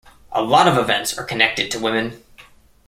A lot of events are connected to women.